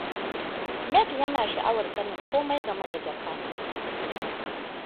Meg yana sha'awar sanin komai game da Japan.